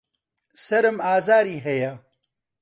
سەرم ئازاری هەیە.